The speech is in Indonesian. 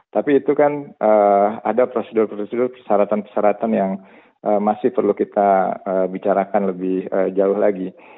tapi itu kan ada prosedur prosedur persyaratan persyaratan yang masih perlu kita bicarakan lebih jauh lagi